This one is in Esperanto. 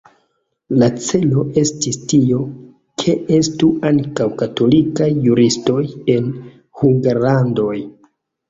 La celo estis tio, ke estu ankaŭ katolikaj juristoj en Hungarlando.